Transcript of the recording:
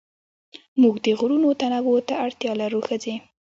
موږ د غږونو تنوع ته اړتيا لرو ښځې